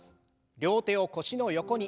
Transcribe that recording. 両手を腰の横に。